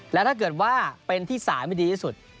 และถ้าเกิดว่าเป็นที่๓ที่ดีที่สุด